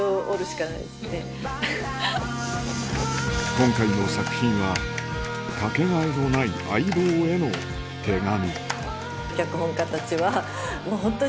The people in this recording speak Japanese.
今回の作品はかけがえのない相棒への手紙